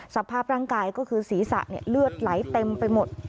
สภาพร่างกายก็คือศีรษะเลือดไหลเต็มไปหมด